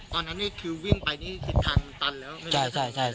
ตอนนั้นนี่คือวิ่งไปนี่คิดทางตันแล้ว